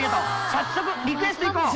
早速リクエストいこう。